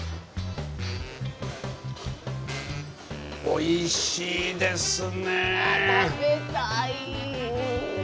おいしいですねえ。